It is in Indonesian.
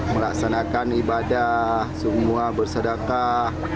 melaksanakan ibadah semua bersedakah